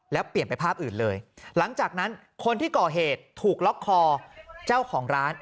แล้วเปลี่ยนไปภาพอื่นเลยหลังจากนั้นคนที่ก่อเหตุถูกล็อกคอเจ้าของร้าน